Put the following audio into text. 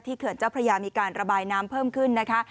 เขื่อนเจ้าพระยามีการระบายน้ำเพิ่มขึ้นนะคะ